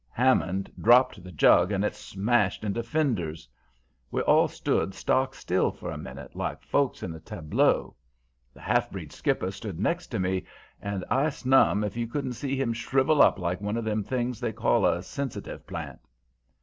"Hammond dropped the jug and it smashed into finders. We all stood stock still for a minute, like folks in a tableau. The half breed skipper stood next to me, and I snum if you couldn't see him shrivel up like one of them things they call a sensitive plant.